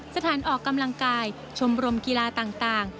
สถานออกกำลังกายชมรมกีฬาต่าง